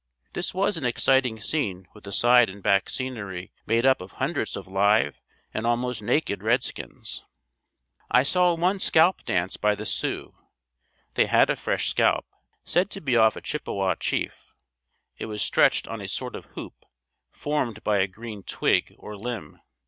This was an exciting scene with the side and back scenery made up of hundreds of live and almost naked redskins. I saw one scalp dance by the Sioux. They had a fresh scalp, said to be off a Chippewa chief. It was stretched on a sort of hoop, formed by a green twig, or limb.